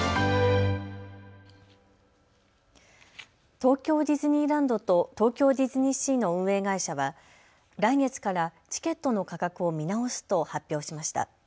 東京ディズニーランドと東京ディズニーシーの運営会社は来月からチケットの価格を見直すと発表しました。